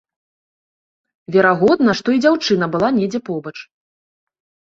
Верагодна, што і дзяўчына была недзе побач.